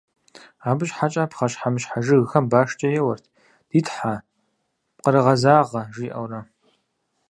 Абы щхьэкӀэ пхъэщхьэмыщхьэ жыгхэм башкӀэ еуэрт: «Ди тхьэ, пкъырыгъэзагъэ», - жаӀэурэ.